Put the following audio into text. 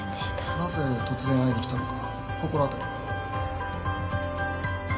なぜ突然会いに来たのか心当たりは？